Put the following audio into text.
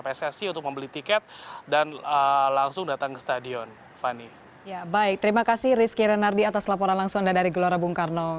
pssi untuk membeli tiket dan langsung datang ke stadion